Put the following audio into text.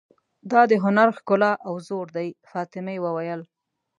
دا د هنر ښکلا او زور دی، فاطمه وویل.